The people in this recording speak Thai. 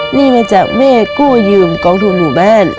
หนี้มาจากเมฆกู้ยืมของทุกหนูแม่